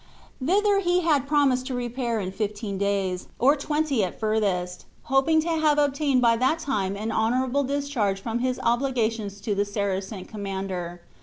Thither he had promised to repair in fifteen days, or twenty at furthest, hoping to have obtained by that time an honorable discharge from his obligations to the Saracen commander.